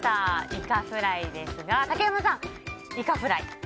イカフライですが竹山さん、イカフライ？